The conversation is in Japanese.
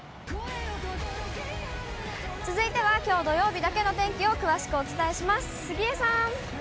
続いては、きょう土曜日だけの天気を詳しくお伝えします。